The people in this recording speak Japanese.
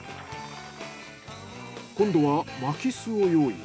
今度は巻きすを用意。